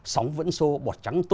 sóng vẫn sô bọt trắng tối